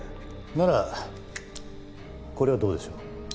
ならこれはどうでしょう？